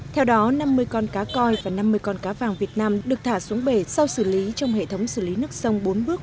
theo đó năm mươi con cá coi và năm mươi con cá vàng việt nam được thả xuống bể sau xử lý trong hệ thống xử lý nước sông bốn bước